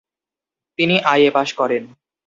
তিনি আইএ পাশ করেন।